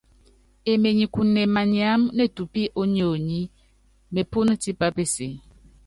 Emenyikune maniáma netupí ónyonyi, mepúnú tipá peseé.